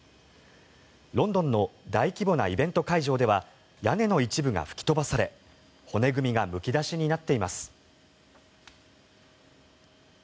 ロンドンの大規模なイベント会場では屋根の一部が吹き飛ばされ骨組みがむき出しになっています。